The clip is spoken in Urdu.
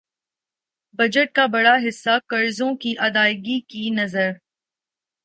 بجٹ کا بڑا حصہ قرضوں کی ادائیگی کی نذر